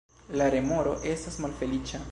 La remoro estas malfeliĉa.